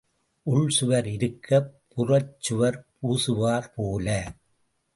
உள் சுவர் இருக்கப் புறச்சுவர் பூசுவார் போல.